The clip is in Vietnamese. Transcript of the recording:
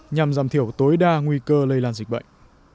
nhằm giảm thiểu tối đa nguy cơ lây lan dịch bệnh